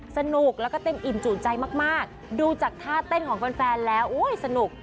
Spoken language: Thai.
สนุกแล้วก็เต้นอิ่มจู่ใจมากดูจากท่าเต้นของแฟนแล้วโอ้ยสนุก